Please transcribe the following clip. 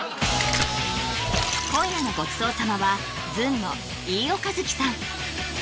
今夜のごちそう様はずんの飯尾和樹さん